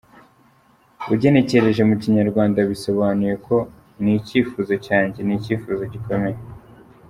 Ugenekereje mu Kinyarwanda, bisobanuye ko ’Ni icyifuzo cyanjye, ni icyifuzo gikomeye.